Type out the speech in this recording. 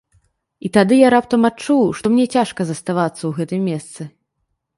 І тады я раптам адчуў, што мне цяжка заставацца ў гэтым месцы.